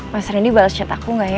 mas rindy bales chat aku gak ya